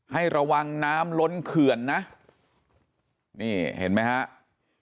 ให้ระวังน้ำล้นเขื่อนนะนี่เห็นไหมครับ